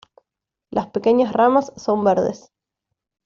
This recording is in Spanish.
Las pequeñas ramas son verdes.